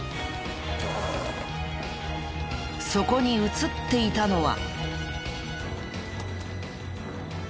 そこに映っていたのは。